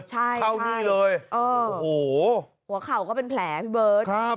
ใช่เออโอ้โหแล้วหัวเข่าก็เป็นแผลพี่เบิร์ตนะครับ